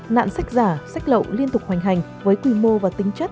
nạn sách giả sách lậu liên tục hoành hành với quy mô và tính chất